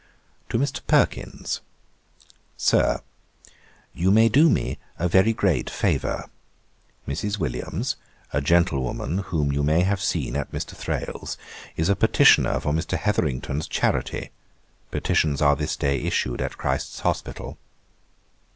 'To MR. PERKINS. 'SIR, 'You may do me a very great favour. Mrs. Williams, a gentlewoman whom you may have seen at Mr. Thrale's, is a petitioner for Mr. Hetherington's charity: petitions are this day issued at Christ's Hospital.